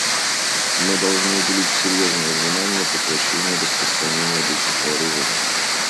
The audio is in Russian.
Мы должны уделить серьезное внимание прекращению распространения обычных вооружений.